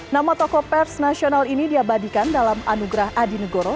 nama tokoh pers nasional ini diabadikan dalam anugerah adi negoro